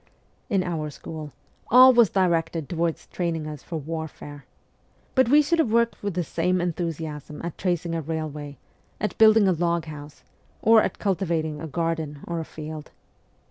In our school all was directed towards training us for warfare. But we should have worked with the same enthusiasm at tracing a railway, at building a log house, or at cultivating a garden or a field.